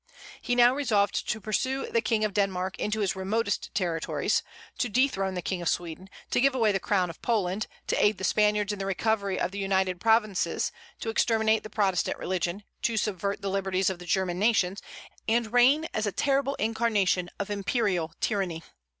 He now resolved to pursue the King of Denmark into his remotest territories, to dethrone the King of Sweden, to give away the crown of Poland, to aid the Spaniards in the recovery of the United Provinces, to exterminate the Protestant religion, to subvert the liberties of the German nations, and reign as a terrible incarnation of imperial tyranny.